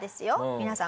皆さん。